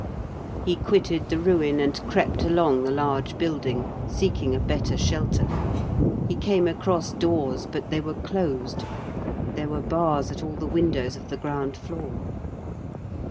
He quitted the ruin and crept along the large building, seeking a better shelter. He came across doors, but they were closed. There were bars at all the windows of the ground floor.